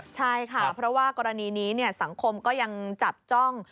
ใช่ค่ะเพราะว่ากรณีนี้สังคมก็ยังจับจ้อง